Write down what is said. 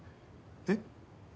えっ？